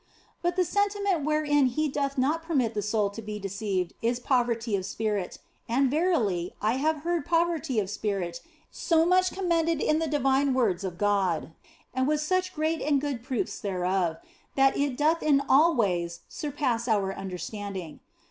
But the sentiment wherein He doth not permit the soul to be deceived is poverty of spirit, and verily, I have heard poverty of spirit so much commended in the divine words of God (and with such great and good proofs thereof) that it doth in all ways surpass our understanding.